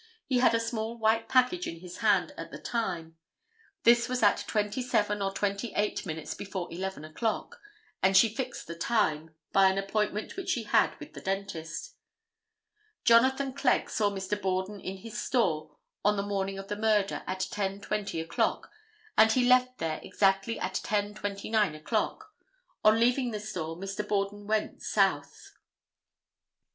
He had a small white package in his hand at the time. This was at twenty seven or twenty eight minutes before 11 o'clock, and she fixed the time, by an appointment which she had with the dentist. Jonathan Clegg saw Mr. Borden in his store on the morning of the murder at 10:20 o'clock, and he left there exactly at 10:29 o'clock. On leaving the store Mr. Borden went south.